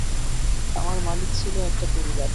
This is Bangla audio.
আমার মালিক ছিল একটা পরিবার।